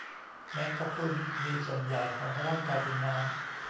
แมงกะพรุน มีส่วนใหญ่ของร่างกายเป็นน้ำ